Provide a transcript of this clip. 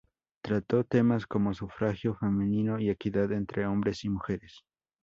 Trató temas como sufragio femenino y equidad entre hombres y mujeres.